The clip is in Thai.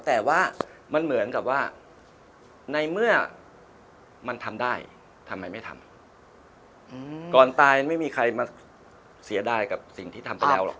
แต่ว่ามันเหมือนกับว่าในเมื่อมันทำได้ทำไมไม่ทำก่อนตายไม่มีใครมาเสียดายกับสิ่งที่ทำไปแล้วหรอก